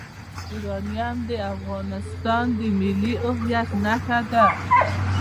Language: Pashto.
یورانیم د افغانستان د ملي هویت نښه ده.